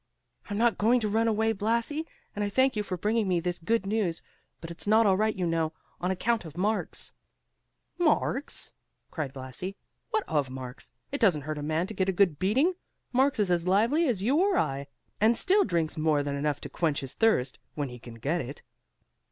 "I'm not going to run away, Blasi, and I thank you for bringing me this good news. But it's not all right you know, on account of Marx." "Marx!" cried Blasi, "what of Marx! it doesn't hurt a man to get a good beating. Marx is as lively as you or I, and still drinks more than enough to quench his thirst, when he can get it."